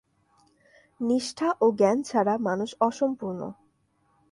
নিষ্ঠা ও জ্ঞান ছাড়া মানুষ অসম্পূর্ণ।